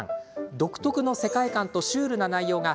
独特の世界観とシュールな内容が